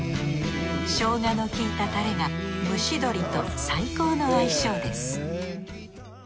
ショウガのきいたタレが蒸し鶏と最高の相性です